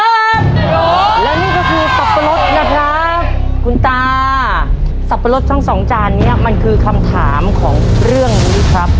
แล้วนี่ก็คือสับปะรดนะครับคุณตาสับปะรดทั้งสองจานนี้มันคือคำถามของเรื่องนี้ครับ